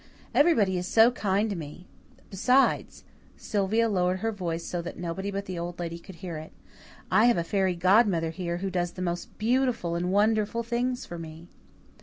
Everybody is so kind to me. Besides" Sylvia lowered her voice so that nobody but the Old Lady could hear it "I have a fairy godmother here who does the most beautiful and wonderful things for me."